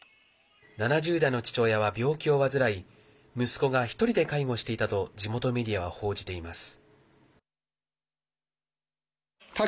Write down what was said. ７０代の父親は病気を患い息子が１人で介護していたと地元メディアは報じています。